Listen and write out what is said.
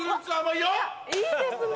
・いいですね。